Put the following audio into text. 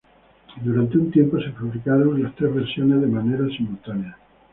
Durante un tiempo se fabricaron las tres versiones de manera simultánea.